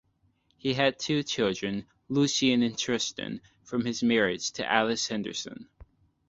He has two children, Lucian and Tristan, from his marriage to Alice Henderson.